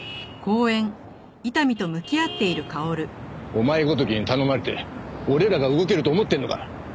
お前ごときに頼まれて俺らが動けると思ってんのか？